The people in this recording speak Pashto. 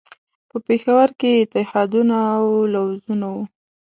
په پېښور کې اتحادونه او لوزونه وو.